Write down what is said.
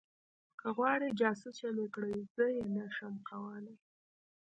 که غواړې جاسوسه مې کړي زه یې نشم کولی